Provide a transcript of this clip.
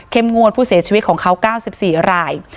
งวดผู้เสียชีวิตของเขา๙๔ราย